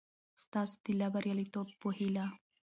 ستاسو د لا بریالیتوبونو په هیله!